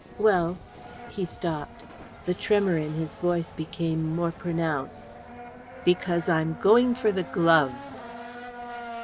"Well " He stopped. The tremor in his voice became more pronounced. "Because I'm going for the gloves."